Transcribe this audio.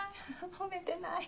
褒めてない。